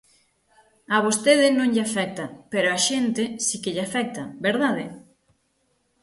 A vostede non lle afecta, pero á xente si que lle afecta, ¿verdade?